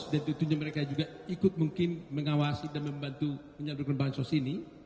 dan itu juga mereka ikut mungkin mengawasi dan membantu menyatukan bansos ini